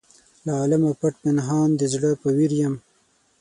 له عالمه پټ پنهان د زړه په ویر یم.